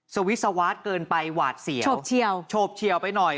สวิสวาสเกินไปหวาดเสียวเฉียวโฉบเฉียวไปหน่อย